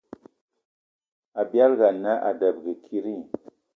Abialga ana a debege kidi?